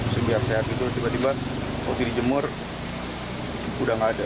sebiar sehat itu tiba tiba waktu dijemur udah gak ada